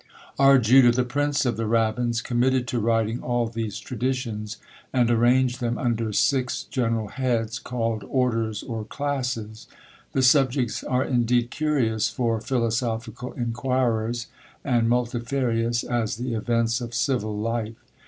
R. Juda, the prince of the rabbins, committed to writing all these traditions, and arranged them under six general heads, called orders or classes. The subjects are indeed curious for philosophical inquirers, and multifarious as the events of civil life.